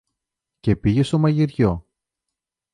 και πήγε στο μαγειριό